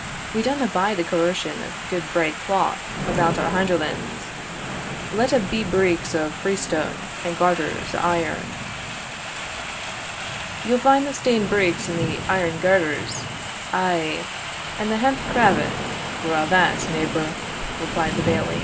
We downa bide the coercion of gude braid claith about our hinderlans, let a be breeks o' free stone, and garters o' iron." "Ye'll find the stane breeks and the airn garters ay, and the hemp cravat, for a' that, neighbour," replied the Bailie.